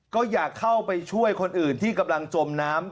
ก็อยากเข้าไปช่วยคนอื่นที่กำลังจมน้ำ